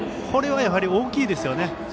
これはやはり大きいですよね。